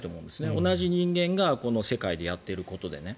同じ人間がこの世界でやっていることでね。